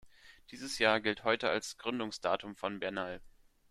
Dieses Jahr gilt heute als Gründungsdatum von Bernal.